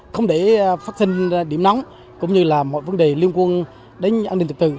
không để phát sinh điểm nóng cũng như là mọi vấn đề liên quan đến an ninh trật tự